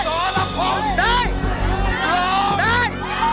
ร่องไหนให้ร้าน